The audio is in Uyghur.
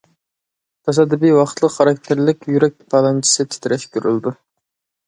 تاسادىپىي ۋاقىتلىق خاراكتېرلىك يۈرەك دالانچىسى تىترەش كۆرۈلىدۇ.